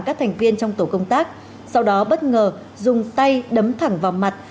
các thành viên trong tổ công tác sau đó bất ngờ dùng tay đấm thẳng vào mặt